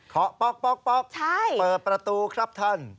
ป๊อกเปิดประตูครับท่าน